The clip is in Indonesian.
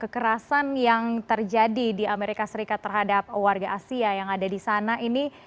kekerasan yang terjadi di amerika serikat terhadap warga asia yang ada di sana ini